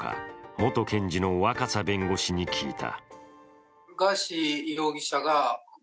元検事の若狭弁護士に聞いた。